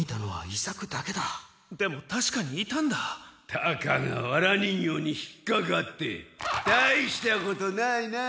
たかがワラ人形に引っかかってたいしたことないな！